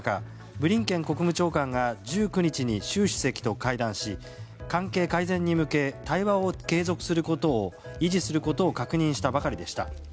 ブリンケン国務長官が１９日に習主席と会談し関係改善に向け、対話を継続することを維持することを確認したばかりでした。